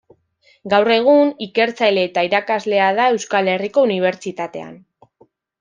Gaur egun, ikertzaile eta irakaslea da Euskal Herriko Unibertsitatean.